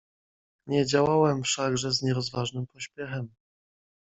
"Nie działałem wszakże z nierozważnym pośpiechem."